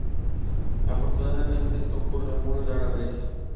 Afortunadamente, esto ocurre muy raras veces.